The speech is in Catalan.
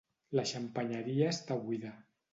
La xampanyeria està buida.